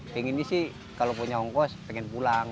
pengen nih sih kalau punya ongkos pengen pulang